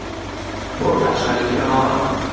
بۆکان شارێکی بەناوبانگە